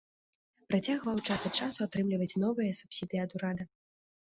Працягваў час ад часу атрымліваць новыя субсідыі ад урада.